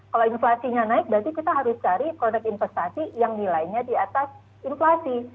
kalau inflasinya naik berarti kita harus cari produk investasi yang nilainya di atas inflasi